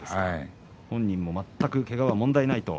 本人も全くけがは関係ないと。